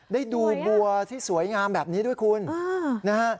ได้ดูบัวที่สวยงามแบบนี้ด้วยคุณนะฮะ